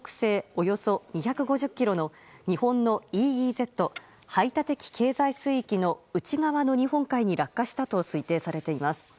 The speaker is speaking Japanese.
およそ２５０ｋｍの日本のＥＥＺ・排他的経済水域の内側の日本海に落下したと推定されています。